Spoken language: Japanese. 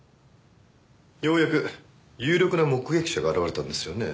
ようやく有力な目撃者が現れたんですよね？